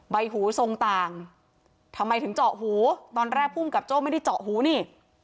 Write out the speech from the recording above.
ใบหูทรงต่างทำไมถึงเจาะหูตอนแรกภูมิกับโจ้ไม่ได้เจาะหูนี่